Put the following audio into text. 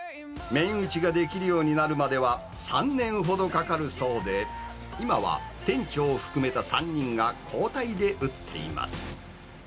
麺打ちができるようになるまでは、３年ほどかかるそうで、今は店長を含めた３人が交代で打っています。